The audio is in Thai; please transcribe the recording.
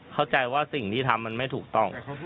เข้าใจว่าสิ่งที่ทำมันไม่ถูกต้อง